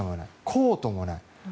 コートもない。